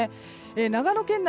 長野県内